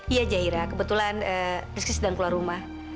iya jaira kebetulan rizky sedang keluar rumah